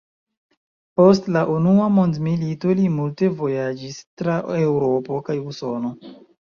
Post la unua mondmilito li multe vojaĝis tra Eŭropo kaj Usono.